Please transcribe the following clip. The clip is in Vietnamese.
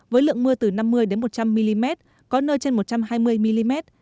với lượng mưa từ năm mươi một trăm linh mm có nơi trên một trăm hai mươi mm